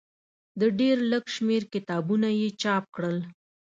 د ډېر لږ شمېر کتابونه یې چاپ کړل.